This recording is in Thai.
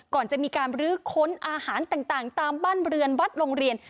ก่อนจะมีการบรื้อค้นอาหารต่างตามบ้านเรือนวัดโรงเรียน